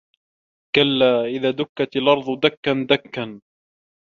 كَلّا إِذا دُكَّتِ الأَرضُ دَكًّا دَكًّا